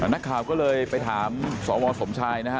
นักข่าวก็เลยไปถามสวสมชายนะฮะ